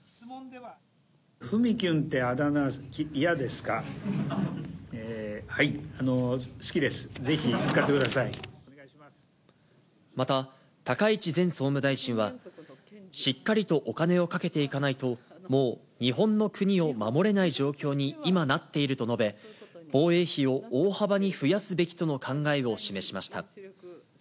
はい、好きです、ぜひ使ってくだまた、高市前総務大臣は、しっかりとお金をかけていかないと、もう日本の国を守れない状況に今なっていると述べ、防衛費を大幅に増やすべきとの考えを示しました。